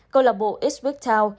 cầu lọc bộ eastwick town